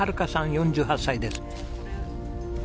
４８歳です。